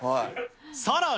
さらに。